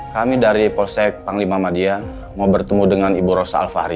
kami dari polsek panglima madia mau bertemu dengan ibu rosa alfahri